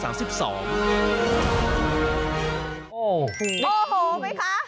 โอโหไหมคะ